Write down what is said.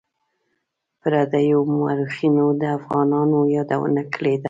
پردیو مورخینو د افغانانو یادونه کړې ده.